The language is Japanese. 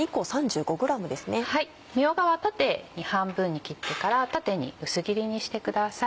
みょうがは縦に半分に切ってから縦に薄切りにしてください。